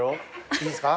いいですか？